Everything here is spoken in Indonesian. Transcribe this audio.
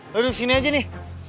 lo duduk sini aja nih